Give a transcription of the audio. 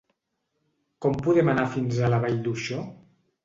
Com podem anar fins a la Vall d'Uixó?